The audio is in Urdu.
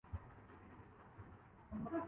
یقینااس فیصلے کے دور رس اثرات اثرات مرتب ہو ں گے۔